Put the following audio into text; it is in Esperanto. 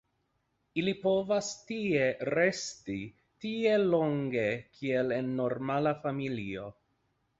Ili povas tie resti tiel longe kiel en normala familio.